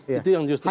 itu yang justru rame